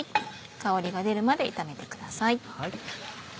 香りが出るまで炒めてください。